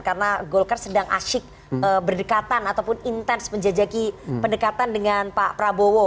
karena golkar sedang asyik berdekatan ataupun intens menjajaki pendekatan dengan pak prabowo